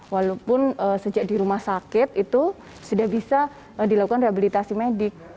walaupun sejak di rumah sakit itu sudah bisa dilakukan rehabilitasi medik